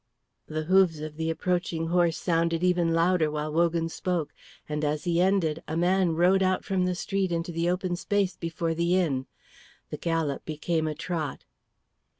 The hoofs of the approaching horse sounded ever louder while Wogan spoke; and as he ended, a man rode out from the street into the open space before the inn. The gallop became a trot.